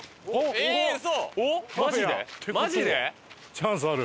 チャンスある！